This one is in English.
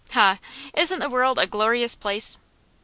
Ha! isn't the world a glorious place?